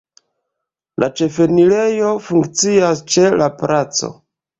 La ĉefenirejo funkcias ĉe la placo.